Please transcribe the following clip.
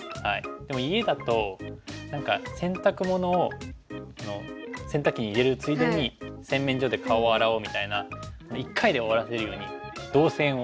でも家だと何か洗濯物を洗濯機に入れるついでに洗面所で顔を洗おうみたいな一回で終わらせるように動線を。